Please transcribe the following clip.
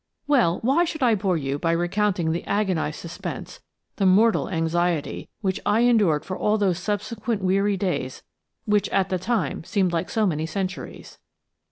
4 WELL, why should I bore you by recounting the agonised suspense, the mortal anxiety, which I endured for all those subsequent weary days which at the time seemed like so many centuries?